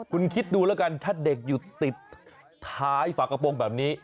คุณคิดดูแล้วกันถ้าเด็กอยู่ติดท้ายฝากระโปรงแบบนี้